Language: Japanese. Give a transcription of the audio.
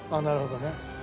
なるほどね。